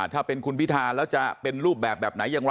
ถ้าเป็นคุณพิทาแล้วจะเป็นรูปแบบแบบไหน